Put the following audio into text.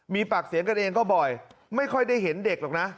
มีปากเสียงกันเองก็บ่อยไม่ค่อยได้เห็นเด็กหรอกนะ